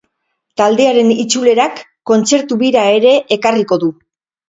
Taldearen itzulerak kontzertu-bira ere ekarriko du.